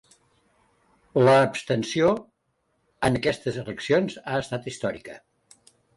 Labstenció en aquestes eleccions ha estat històrica.